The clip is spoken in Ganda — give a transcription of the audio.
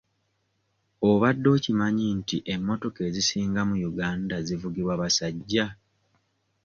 Obadde okimanyi nti emmotoka ezisinga mu Uganda zivugibwa basajja?